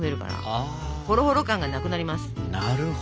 あなるほど。